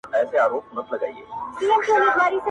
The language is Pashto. له آمو تر اباسینه دا څپه له کومه راوړو؛